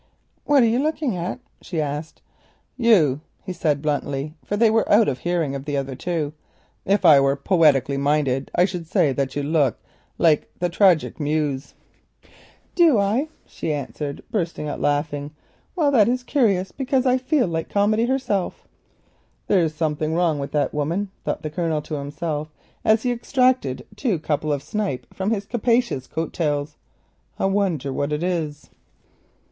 "What are you looking at?" she asked. "You," he said bluntly, for they were out of hearing of the other two. "If I were poetically minded I should say that you looked like the Tragic Muse." "Do I?" she answered, laughing. "Well, that is curious, because I feel like Comedy herself." "There's something wrong with that woman," thought the Colonel to himself as he extracted two couple of snipe from his capacious coat tails. "I wonder what it is."